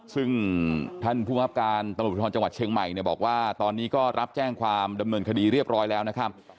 ซึ่งท่านผู้บังคับการตำรวจภูทรจังหวัดเชียงใหม่เนี่ยบอกว่าตอนนี้ก็รับแจ้งความดำเนินคดีเรียบร้อยแล้วนะครับ